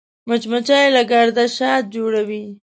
مچمچۍ له ګرده شات جوړوي